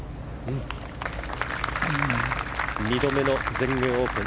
２度目の全英オープン。